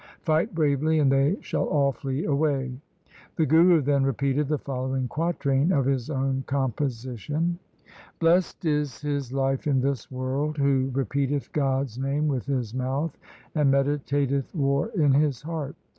Fight bravely, and they shall all flee away.' The Guru then repeated the following quatrain of his own composition r — Blest is his life in this world who repeateth God's name with his mouth and meditateth war in his heart.